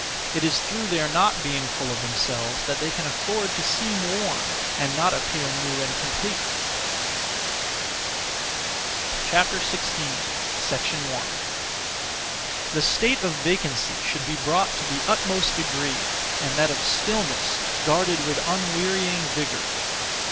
It is through their not being full of themselves that they can afford to seem worn and not appear new and complete. 16. 1. The (state of) vacancy should be brought to the utmost degree, and that of stillness guarded with unwearying vigour.